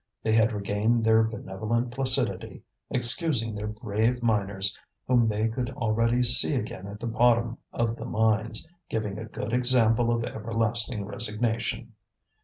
They had regained their benevolent placidity, excusing their brave miners, whom they could already see again at the bottom of the mines, giving a good example of everlasting resignation.